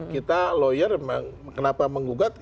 kita lawyer kenapa menggugat